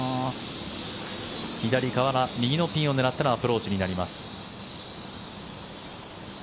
左から右のピンを狙ってのアプローチになります。